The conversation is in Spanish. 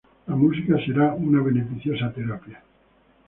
La música será una beneficiosa terapia.